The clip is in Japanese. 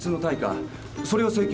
それを請求する。